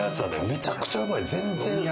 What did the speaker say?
めちゃくちゃうまい。